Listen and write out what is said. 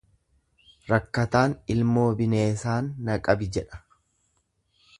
Rakkataan ilmoo bineesaan naa qabi jedha.